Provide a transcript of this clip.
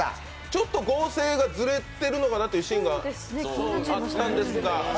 ちょっと合成がずれているのかなっていうシーンがあったんですが。